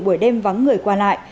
buổi đêm vắng người qua lại